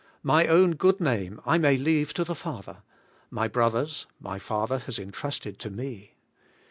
My own good name I may leave to the Father; my brother's my Father has entrusted to me.